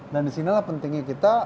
dan disinilah pentingnya kita